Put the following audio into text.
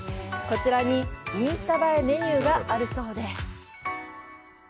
こちらに、インスタ映えメニューがあるそうで。